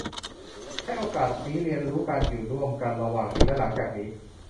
ใช้โอกาสนี้เรียนรู้การอยู่ร่วมกันระหว่างนี้และหลังจากนี้